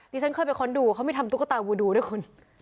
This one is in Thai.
ฉันเคยไปค้นดูเขาไม่ทำตุ๊กตาวูดูด้วยคุณ